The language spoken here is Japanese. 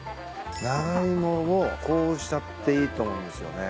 ナガイモをこうしちゃっていいと思うんですよね。